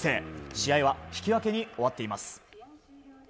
試合は引き分けに終わっています。